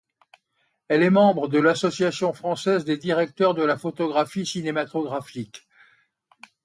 Elle est membre de l'Association française des directeurs de la photographie cinématographique.